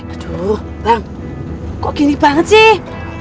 aduh tam kok gini banget sih